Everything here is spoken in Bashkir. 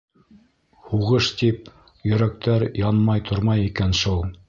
Һуғыш тип йөрәктәр янмай тормай икән шул.